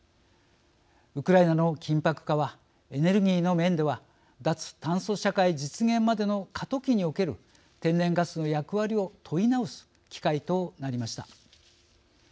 ウクライナの緊迫化はエネルギーの面では脱炭素社会実現までの過渡期における天然ガスの役割を問い直す機会となりました。